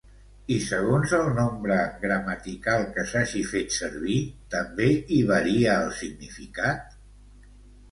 I segons el nombre gramatical que s'hagi fet servir, també hi varia el significat?